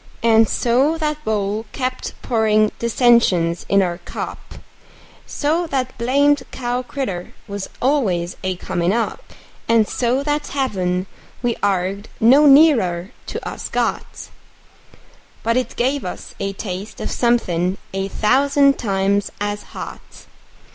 And so that bowl kept pourin' dissensions in our cup; And so that blamed cow critter was always a comin' up; And so that heaven we arg'ed no nearer to us got, But it gave us a taste of somethin' a thousand times as hot.